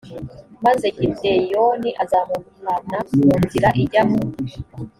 maze gideyoni azamukana mu nzira ijya mu